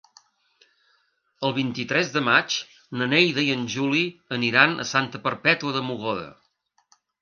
El vint-i-tres de maig na Neida i en Juli aniran a Santa Perpètua de Mogoda.